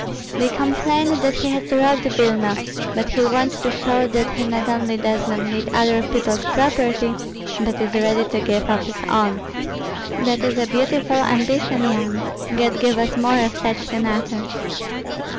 They complained that he had robbed Vilna, but he wants to show that he not only does not need other people's property, but is ready to give of his own. That is a beautiful ambition, Yan, God give us more of such senators."